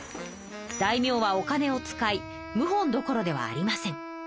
大名はお金を使い謀反どころではありません。